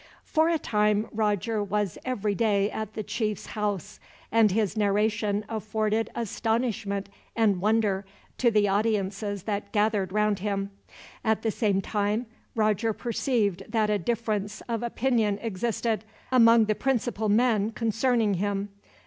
For a time Roger was every day at the chief's house, and his narration afforded astonishment and wonder to the audiences that gathered round him. At the same time, Roger perceived that a difference of opinion existed, among the principal men, concerning him.